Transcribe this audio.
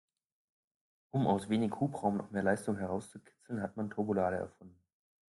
Um aus wenig Hubraum noch mehr Leistung herauszukitzeln, hat man Turbolader erfunden.